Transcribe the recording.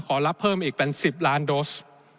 รับเพิ่มอีกเป็น๑๐ล้านโดส